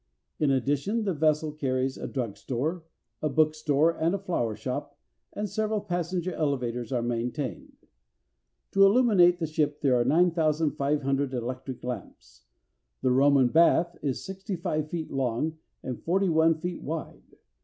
In addition the vessel carries a drug store, a book store, and a flower shop, and several passenger elevators are maintained. To illuminate the ship there are 9,500 electric lamps. The Roman bath is 65 feet long, and 41 feet wide.